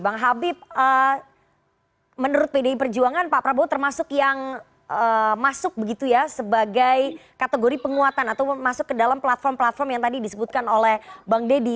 bang habib menurut pdi perjuangan pak prabowo termasuk yang masuk begitu ya sebagai kategori penguatan atau masuk ke dalam platform platform yang tadi disebutkan oleh bang deddy